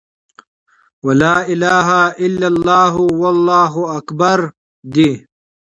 وَلَا إِلَهَ إلَّا اللهُ، وَاللهُ أكْبَرُ دي .